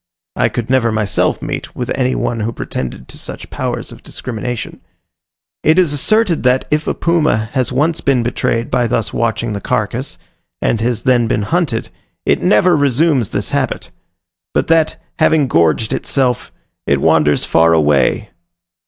I could never myself meet with any one who pretended to such powers of discrimination. It is asserted that, if a puma has once been betrayed by thus watching the carcass, and has then been hunted, it never resumes this habit; but that, having gorged itself, it wanders far away.